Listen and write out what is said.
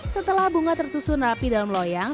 setelah bunga tersusun rapi dalam loyang